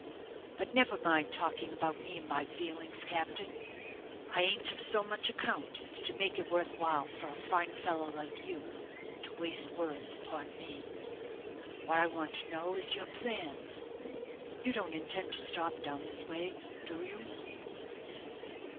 But never mind talking about me and my feelings, captain. I ain't of so much account as to make it worth while for a fine fellow like you to waste words upon me. What I want to know is your plans. You don't intend to stop down this way, do you?"